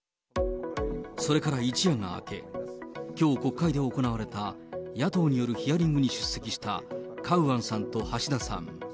それから一夜が明け、きょう、国会で行われた野党によるヒアリングに出席した、カウアンさんと橋田さん。